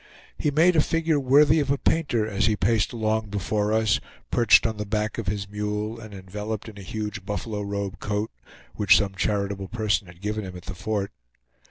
He made a figure worthy of a painter as he paced along before us, perched on the back of his mule, and enveloped in a huge buffalo robe coat, which some charitable person had given him at the fort.